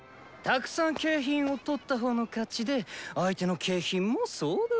たくさん景品をとった方の勝ちで相手の景品も総取り。